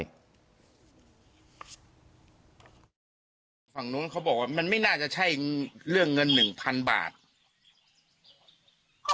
สามีของนางสาวพิมพ์บอกว่าได้ถามภรรยาเรื่องนี้แล้วนะฮะภรรยาบอกว่าเป็นเรื่องที่นายอนุสรเคยมาพูดทะลึ่งใส่ลักษณะเชิงชู้สาวเอาไว้